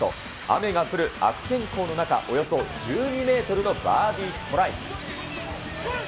雨が降る悪天候の中、およそ１２メートルのバーディートライ。